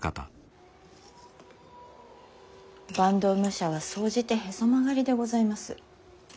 坂東武者は総じてへそ曲がりでございます。